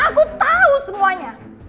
aku tau semuanya